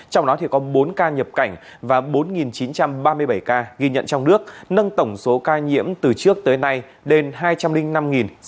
trong đó có bốn ca nhập cảnh và bốn chín trăm ba mươi bảy ca ghi nhận trong nước nâng tổng số ca nhiễm từ trước tới nay đến hai trăm linh năm sáu trăm năm mươi sáu ca